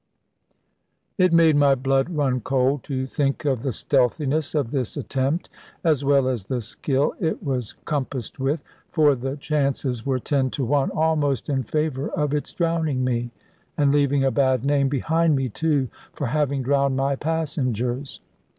It made my blood run cold to think of the stealthiness of this attempt, as well as the skill it was compassed with, for the chances were ten to one almost in favour of its drowning me, and leaving a bad name behind me too, for having drowned my passengers.